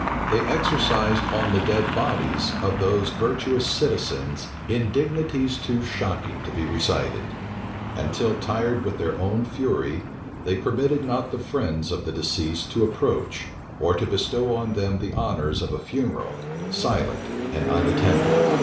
They exercised on the dead bodies of those virtuous citizens, indignities too shocking to be recited; and till tired with their own fury, they permitted not the friends of the deceased to approach, or to bestow on them the honors of a funeral, silent and unattended.